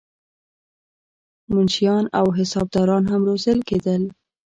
منشیان او حسابداران هم روزل کېدل.